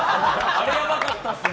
あれはなかったっすね。